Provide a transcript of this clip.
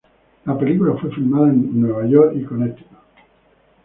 La película fue filmada en Nueva York y Connecticut.